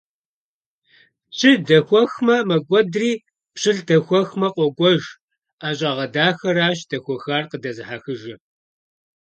Пщы дэхуэхмэ, мэкӀуэдри, пщылӀ дэхуэхмэ, къокӀуэж: ӀэщӀагъэ дахэращ дэхуэхар къыдэзыхыжыр!